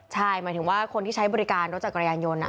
ใช่หมายถึงว่าคนที่ใช้บริการรถจักรยานยนต์